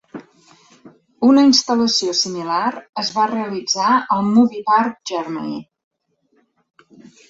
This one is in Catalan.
Una instal·lació similar es va realitzar al Movie Park Germany.